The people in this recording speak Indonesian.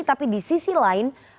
tapi di sisi lain